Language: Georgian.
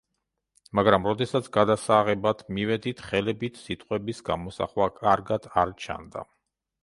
მაგრამ როდესაც გადასაღებად მივედით, ხელებით სიტყვების გამოსახვა კარგად არ ჩანდა.